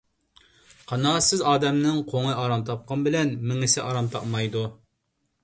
قانائەتسىز ئادەمنىڭ قوڭى ئارام تاپقىنى بىلەن مېڭىسى ئارام تاپالمايدۇ.